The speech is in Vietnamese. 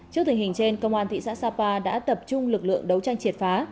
trước tình hình trên công an thị xã sapa đã tập trung lực lượng đấu tranh triệt phá